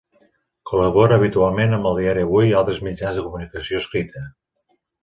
Col·labora habitualment amb el diari Avui i altres mitjans de comunicació escrita.